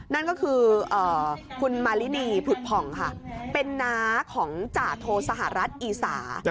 นั่นก็คือคุณมารินีผุดผ่องค่ะเป็นน้าของจ่าโทสหรัฐอีสา